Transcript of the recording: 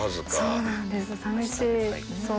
そうなんです。